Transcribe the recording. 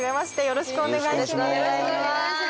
よろしくお願いします。